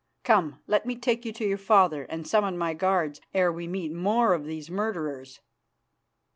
"Come, let me take you to your father and summon my guards, ere we meet more of these murderers."